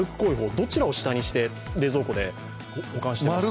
どちらを下にして冷蔵庫で保管していますか？